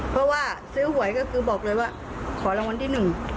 เพราะว่าซื้อหวยก็คือบอกเลยว่าขอรางวัลที่หนึ่ง